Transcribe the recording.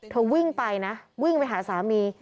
วิ่งไปนะวิ่งไปหาสามี